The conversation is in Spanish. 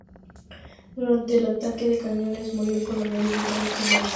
Durante el ataque de cañones murió el coronel británico Mercer.